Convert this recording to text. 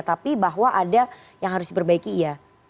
tapi bahwa ada yang harus diperbaiki iya